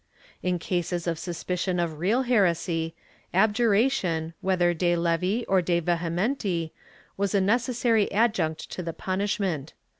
In cases of suspicion of real heresy, abjuration, whether de levi or de vehementi, was a necessary adjunct to the punishment.